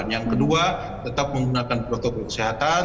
yang kedua tetap menggunakan protokol kesehatan